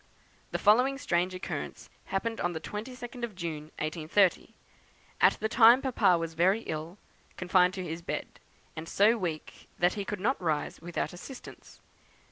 "The following strange occurrence happened on the 22nd of June, 1830: At the time Papa was very ill, confined to his bed, and so weak that he could not rise without assistance.